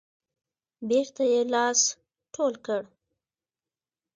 بیرته یې لاس ټول کړ.